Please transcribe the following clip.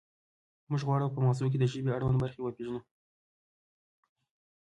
موږ غواړو په مغزو کې د ژبې اړوند برخې وپیژنو